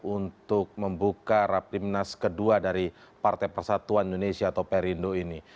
untuk membuka rapi nas kedua dari partai persatuan indonesia atau perindu ini